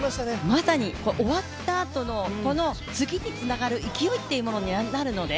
まさに終わったあとの次につながる勢いっていうものになるので。